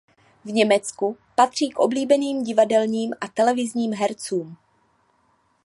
V Německu patří k oblíbeným divadelním a televizním hercům.